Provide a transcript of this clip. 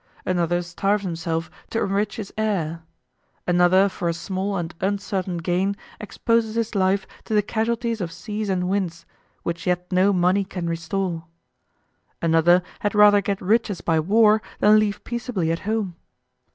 Another starves himself to enrich his heir. Another for a small and uncertain gain exposes his life to the casualties of seas and winds, which yet no money can restore. Another had rather get riches by war than live peaceably at home.